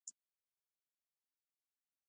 د ژبي اصول باید زده کړل سي.